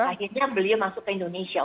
akhirnya beliau masuk ke indonesia